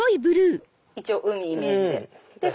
一応海イメージで。